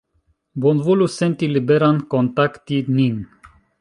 Bonvolu senti liberan kontakti nin.